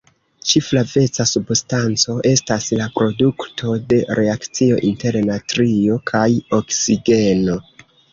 Ĉi-flaveca substanco estas la produkto de reakcio inter natrio kaj oksigeno.